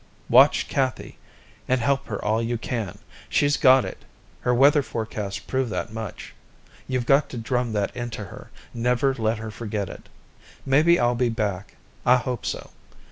Watch Cathy, and help her all you can. She's got it; her weather forecast proved that much. You've got to drum that into her; never let her forget it. Maybe I'll be back I hope so.